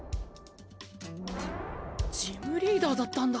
ジムリーダーだったんだ。